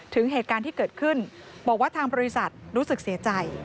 ถึงเหตุการณ์ที่เกิดขึ้นบอกว่าทางบริษัทรู้สึกเสียใจ